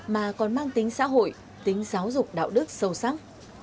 mà còn mang tính xã hội tính giáo dục đạo đức sâu sắc